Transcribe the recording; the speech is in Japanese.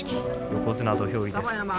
横綱土俵入りです。